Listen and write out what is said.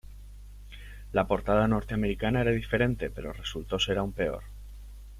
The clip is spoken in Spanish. La portada norteamericana era diferente, pero resultó ser aún peor.